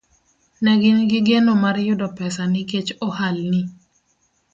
Ne gin gi geno mar yudo pesa nikech ohalni